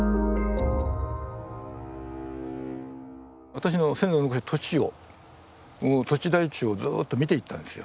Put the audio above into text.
私の先祖の土地を土地台帳をずっと見ていったんですよ。